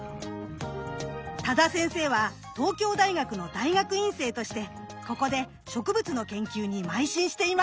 多田先生は東京大学の大学院生としてここで植物の研究にまい進していました。